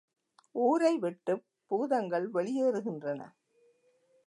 ஊரை விட்டுப் பூதங்கள் வெளியேறுகின்றன.